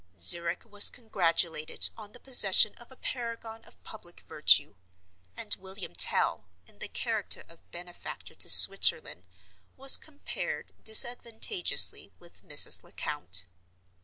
Zurich was congratulated on the possession of a Paragon of public virtue; and William Tell, in the character of benefactor to Switzerland, was compared disadvantageously with Mrs. Lecount.